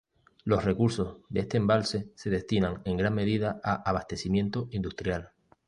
Los recursos de este embalse se destinan en gran medida a abastecimiento industrial.